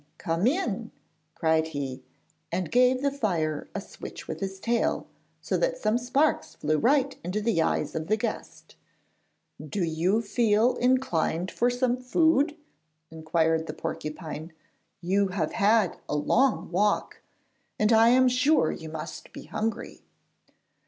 come in!' cried he, and gave the fire a switch with his tail, so that some sparks flew right into the eyes of the guest. 'Do you feel inclined for some food?' inquired the porcupine; 'you have had a long walk and I am sure you must be hungry.'